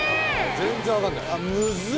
全然分かんないムズッ！